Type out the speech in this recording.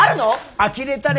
あきれたね。